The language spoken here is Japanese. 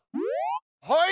はい。